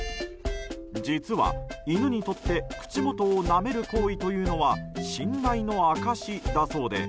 実は、犬にとって口元をなめる行為というのは信頼の証しだそうで。